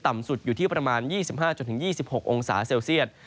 สุดอยู่ที่ประมาณ๒๕๒๖องศาเซลเซียต